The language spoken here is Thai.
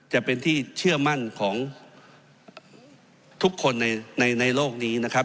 จะเป็นที่เชื่อมั่นของทุกคนในโลกนี้นะครับ